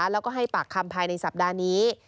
แล้วก็ให้ปากคำภายในสัปดาห์นี้